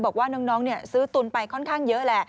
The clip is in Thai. บอกว่าน้องซื้อตุนไปค่อนข้างเยอะแหละ